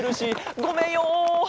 ごめんよ！